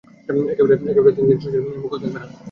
একেবারে তিন দিন সে সূর্যের মুখও দেখবে না।